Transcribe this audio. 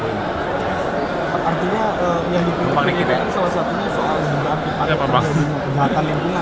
artinya salah satunya soal kejahatan lingkungan